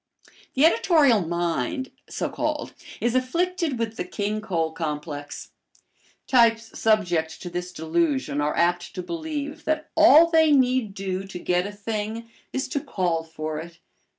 The editorial mind, so called, is afflicted with the King Cole complex. Types subject to this delusion are apt to believe that all they need do to get a thing is to call for it.